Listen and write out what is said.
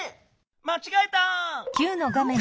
まちがえた！